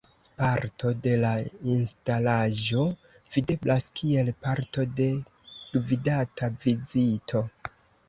Parto de la instalaĵo videblas kiel parto de gvidata vizito.